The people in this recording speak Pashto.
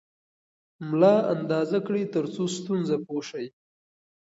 ملا اندازه کړئ ترڅو ستونزه پوه شئ.